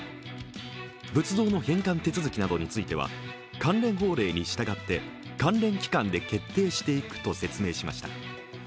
仏像の返還手続きなどについては、関連法令に従って関連機関で決定していくと説明しました。